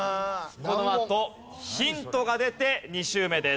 このあとヒントが出て２周目です。